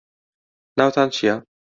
ناوتان چییە؟